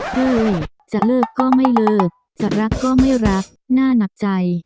เฮ้ยจะเลิกก็ไม่เลิกจะรักก็ไม่รักน่าหนักใจ